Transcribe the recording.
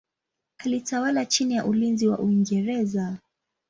Alitawala chini ya ulinzi wa Uingereza.